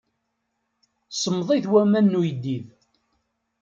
Semmḍit waman n uyeddid.